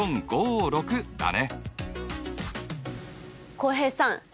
浩平さん！